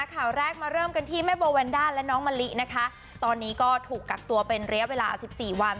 ข่าวแรกมาเริ่มกันที่แม่โบแวนด้าและน้องมะลินะคะตอนนี้ก็ถูกกักตัวเป็นระยะเวลาสิบสี่วัน